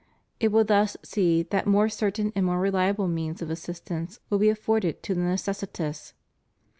It will thus see that more certain and more reliable means of assistance will be afforded to the necessitous.